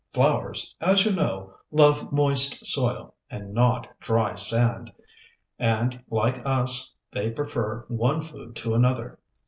Flowers, as you know, love moist soil, and not dry sand; and, like us, they prefer one food to another.